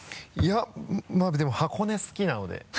いやまぁでも箱根好きなので。